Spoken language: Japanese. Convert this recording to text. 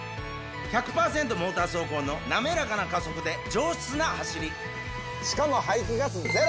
モーター走行の滑らかな加速で上質な走りしかも。